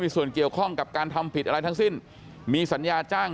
ส่วนเกี่ยวข้องกับการทำผิดอะไรทั้งสิ้นมีสัญญาจ้าง